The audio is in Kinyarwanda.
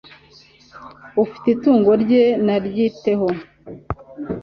Ufite itungo rye naryiteho